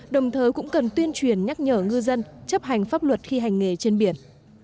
đồng thời cũng cần tuyên truyền nhắc nhở ngư dân chấp hành pháp luật khi hành nghề trên biển